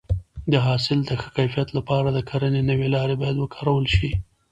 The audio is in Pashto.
د حاصل د ښه کیفیت لپاره د کرنې نوې لارې باید وکارول شي.